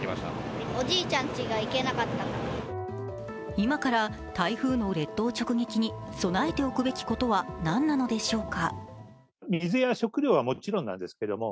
今から台風の列島直撃に備えておくべきことは何なのでしょうか。